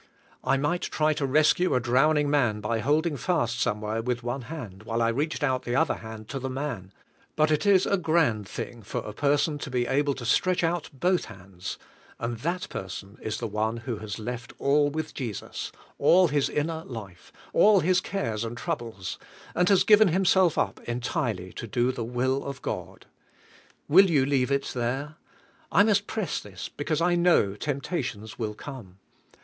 I might try to rescue a drowning man by holding fast somewhere with one hand, while I reached out the other hand to the man, but it is a grand thing for a person to be able to stretch out both hands, and that person is the one who has left all with Jesus — all his inner life, all his cares and troubles, and has given himself up entirely to do the will of God. Will you leave it there? I must press this, because I know temp tations will come.